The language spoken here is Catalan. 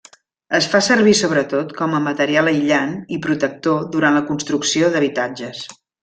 Es fa servir sobretot com a material aïllant i protector durant la construcció d'habitatges.